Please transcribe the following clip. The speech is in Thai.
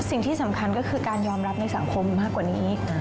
สิ่งที่สำคัญก็คือการยอมรับในสังคมมากกว่านี้